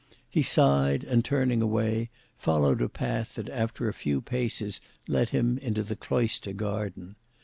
He sighed and turning away, followed a path that after a few paces led him into the cloister garden.